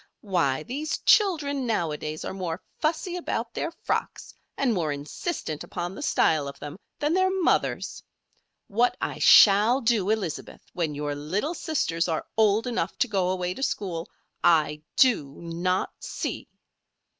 Why! these children nowadays are more fussy about their frocks, and more insistent upon the style of them, than their mothers. What I shall do, Elizabeth, when your little sisters are old enough to go away to school, I do not see!"